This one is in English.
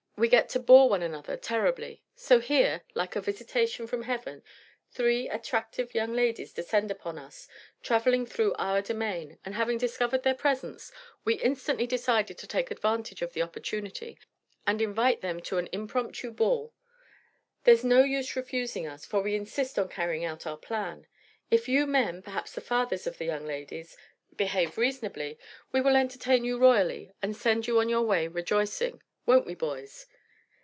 We get to bore one another terribly. So here, like a visitation from heaven, three attractive young ladies descend upon us, traveling through our domain, and having discovered their presence we instantly decided to take advantage of the opportunity and invite them to an impromptu ball. There's no use refusing us, for we insist on carrying out our plan. If you men, perhaps the fathers of the young ladies, behave reasonably, we will entertain you royally and send you on your way rejoicing. Won't we, boys?"